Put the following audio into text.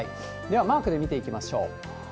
では、マークで見ていきましょう。